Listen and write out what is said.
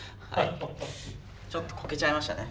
ちょっとこけちゃいましたね。